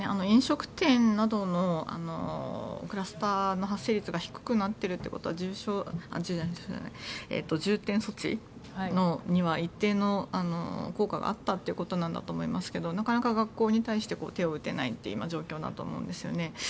飲食店などのクラスターの発生率が低くなっているということは重点措置には一定の効果があったということなんだと思いますけどなかなか学校に対して手を打てないという状況だと今、思うんですよね。